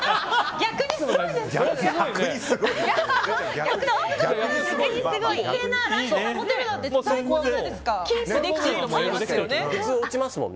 逆にすごいですね。